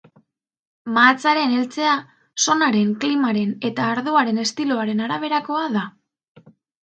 Mahatsaren heltzea zonaren, klimaren eta ardoaren estiloaren araberakoa da.